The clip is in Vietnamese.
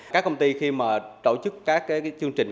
các công ty khi mà tổ chức các chương trình